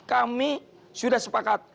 kami sudah sepakat